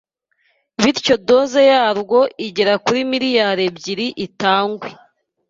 bityo doze yarwo igera kuri miliyari ebyiri itangwe